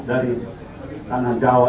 dari tanah jawa